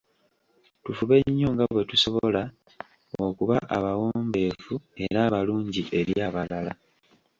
Tufube nnyo nga bwe tusobola okuba abawombeefu era abalungi eri abalala.